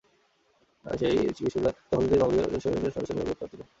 সেই বিদ্যালয়ের দখল নিতে গিয়ে বাঙালি সমিতির সদস্যদের সাথে গ্রেফতার হন তিনিও।